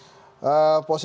terhadap presiden jokowi